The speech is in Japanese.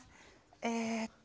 えっと。